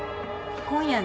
今夜ね